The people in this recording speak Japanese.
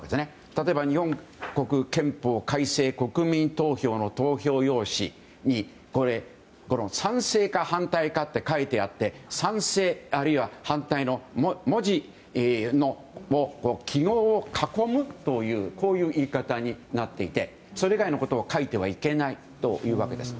例えば日本国憲法改正国民投票の投票用紙に賛成か反対かって書いてあって賛成あるいは反対の文字の記号を囲むというこういう言い方になっていてそれ以外のことを書いてはいけないというわけです。